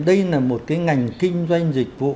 đây là một cái ngành kinh doanh dịch vụ